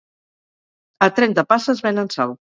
A Trentapasses venen sal